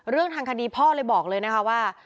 เรื่องทางคดีพ่อเลยบอกเลยนะคะว่า